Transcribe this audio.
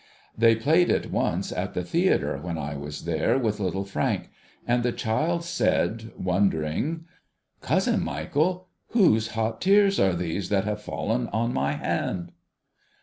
They played it once, at the Theatre, when I was there with Little Frank ; and the child said wondering, ' Cousin Michael, whose hot tears are these that have fallen on my hand